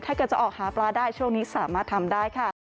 ถ้าเกิดจะออกหาปลาได้ช่วงนี้สามารถทำได้ค่ะ